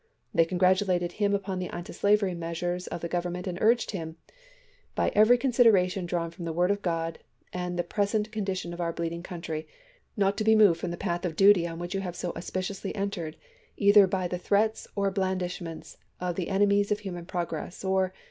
They congratulated him upon the antislavery measures of the Govern ment and urged him, by every consideration di*awn from the Word of God, and the present condition of our bleeding country, not to be moved from the path of duty on which you have so auspi ciously entered, either by the threats or blandishments of the enemies of human progress, or